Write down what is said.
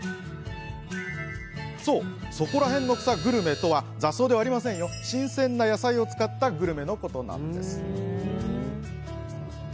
そう、そこらへんの草グルメとは雑草ではありません新鮮な野菜を使ったグルメのことなんです。